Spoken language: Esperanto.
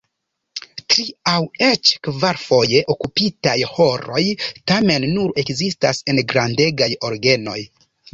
Tri- aŭ eĉ kvarfoje okupitaj ĥoroj tamen nur ekzistas en grandegaj orgenoj.